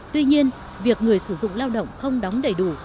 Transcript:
tuy nhiên việc người sử dụng lao động không đóng đầy đủ